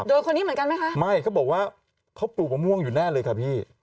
อันนี้มันก็คืออัมม่วงอยู่แน่เลยค่ะพี่